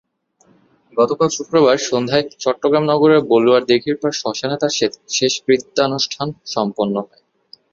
গতকাল শুক্রবার সন্ধ্যায় চট্টগ্রাম নগরের বলুয়ার দিঘীরপাড় শ্মশানে তাঁর শেষকৃত্যানুষ্ঠান সম্পন্ন হয়।